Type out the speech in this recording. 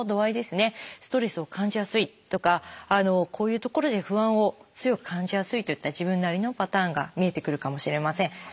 ストレスを感じやすいとかこういうところで不安を強く感じやすいといった自分なりのパターンが見えてくるかもしれません。